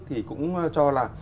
thì cũng cho là